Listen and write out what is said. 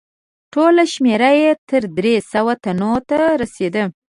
ټوله شمیر یې تر درې سوه تنو ته رسیده.